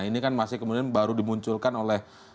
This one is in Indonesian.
ini kan masih kemudian baru dimunculkan oleh